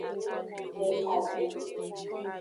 Je abi.